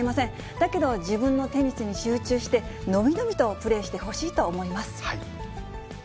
だけど、自分のテニスに集中して、伸び伸びとプレーしてほしいと思います。